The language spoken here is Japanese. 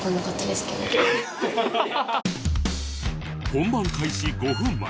本番開始５分前